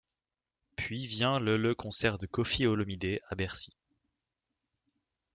Puis vient le le concert de Koffi Olomidé à Bercy.